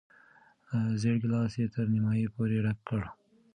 زېړ ګیلاس یې تر نیمايي پورې ډک کړ.